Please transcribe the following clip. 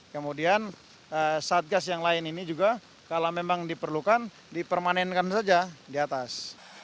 kemudian satgas yang lain ini juga kalau memang diperlukan dipermanenkan saja di atas